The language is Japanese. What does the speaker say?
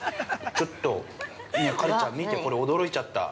ちょっと、かりちゃん見て、驚いちゃった。